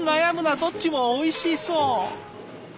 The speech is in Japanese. どっちもおいしそう。